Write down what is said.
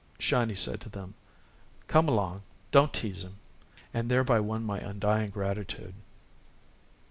"Shiny" said to them: "Come along, don't tease him," and thereby won my undying gratitude.